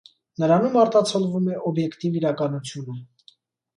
Նրանում արտացոլվում է օբեկտիվ իրականությունը։